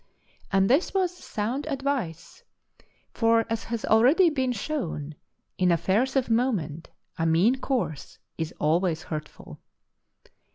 And this was sound advice, for, as has already been shown, in affairs of moment a mean course is always hurtful.